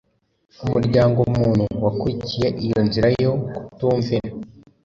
Umuryango muntu wakurikiye iyo nzira yo kutumvira,